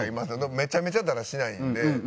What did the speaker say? めちゃめちゃだらしないんで。